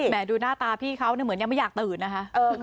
ดูหน้าตาพี่เขาเหมือนยังไม่อยากตื่นนะคะ